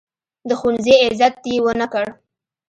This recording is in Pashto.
د ښوونځي عزت یې ونه کړ.